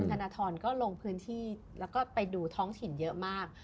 ธนทรก็ลงพื้นที่แล้วก็ไปดูท้องถิ่นเยอะมาก